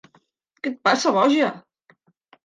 Què et passa, boja?